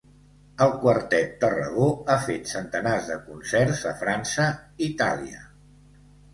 El Quartet Tarragó ha fet centenars de concerts a França, Itàlia.